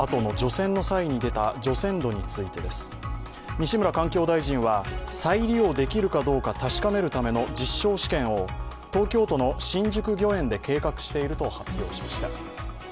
西村環境大臣は再利用できるかどうか確かめるための実証試験を東京都の新宿御苑で計画していると発表しました。